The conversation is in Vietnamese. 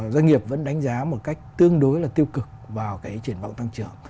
doanh nghiệp vẫn đánh giá một cách tương đối là tiêu cực vào cái triển vọng tăng trưởng